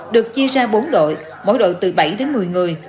được chia ra bốn đội mỗi đội từ bảy đến một mươi người